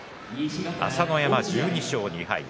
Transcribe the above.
朝乃山、１２勝２敗。